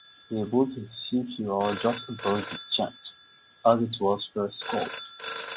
He built his shipyard just above "The Junction", as it was first called.